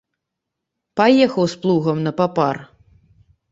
Паехаў з плугам на папар.